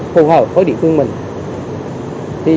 phù hợp với địa phương mình